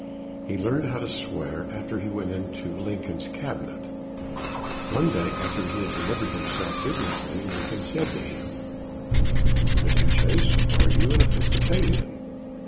He learned how to swear after he went into Lincoln's Cabinet. One day, after he had delivered himself vigorously, Lincoln said to him: "Mr. Chase, are you an Episcopalian?"